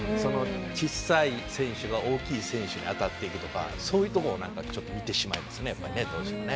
ちっさい選手が大きい選手に当たっていくとかそういうとこを何か見てしまいますねやっぱりねどうしてもね。